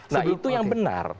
nah itu yang benar